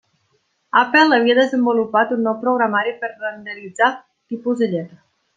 Apple havia desenvolupat un nou programari per renderitzar tipus de lletra.